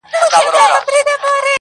سیاه پوسي ده، ژوند تفسیرېږي.